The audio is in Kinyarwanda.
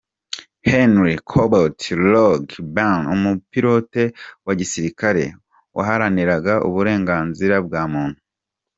Henry Cabot Lodge Bohler, Umupilote wa gisirikare waharaniraga uburenganzira bwa muntu.